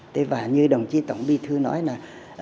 thế và như đồng chí tổng bí thư nói là